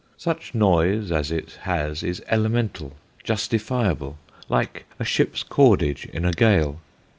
Such noise as it has is elemental, justifiable, like a ship's cordage in a gale.